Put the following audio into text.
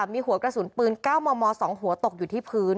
มีหัวกระสุนปืน๙มม๒หัวตกอยู่ที่พื้น